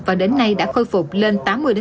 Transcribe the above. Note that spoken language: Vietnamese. và đến nay đã khôi phục lên tám mươi tám mươi năm